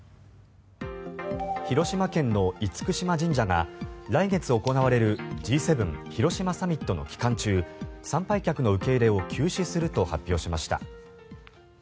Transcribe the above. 広島県の厳島神社が来月行われるＧ７広島サミットの期間中参拝客の受け入れを休止すると発表しました。